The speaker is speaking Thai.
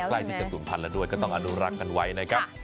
ใกล้ที่จะศูนย์พันธุ์แล้วด้วยก็ต้องอนุรักษ์กันไว้นะครับ